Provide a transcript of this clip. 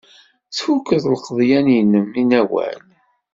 Tfuked lqeḍyan-nnem i Newwal?